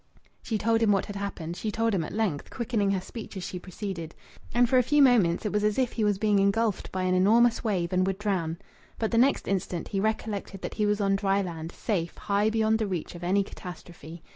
She told him what had happened; she told him at length, quickening her speech as she proceeded. And for a few moments it was as if he was being engulfed by an enormous wave, and would drown. But the next instant he recollected that he was on dry land, safe, high beyond the reach of any catastrophe.